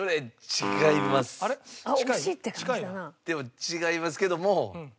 でも違いますけども。